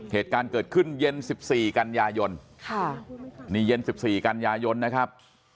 เหตุการณ์เกิดขึ้นเย็น๑๔กันยายนนี่เย็น๑๔กันยายนนะครับ